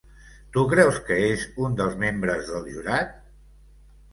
Tu creus que és un dels membres del jurat?